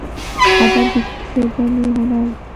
ادب ژبنی هنر دی.